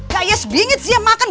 gaya sebinget sih ya makan